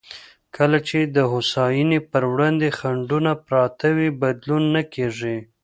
کله چې د هوساینې پر وړاندې خنډونه پراته وي، بدلون نه کېږي.